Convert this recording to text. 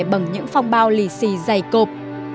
bằng những phong bào lì xì dày cộp